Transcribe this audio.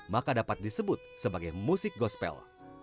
maka dapat disebut sebagai musik gospel